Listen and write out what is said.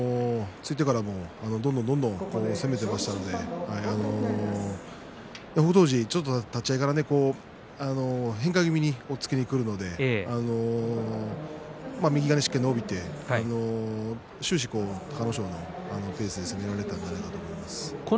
突いてからもどんどんどんどん攻めていましたので立ち合いからちょっと変化気味に押っつけてくるので右がしっかり伸びて終始、隆の勝のペースで攻められたんじゃないかと思います。